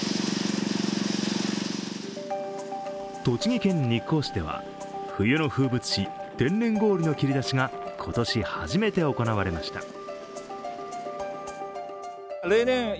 栃木県日光市では冬の風物詩、天然氷の切り出しが今年初めて行われました。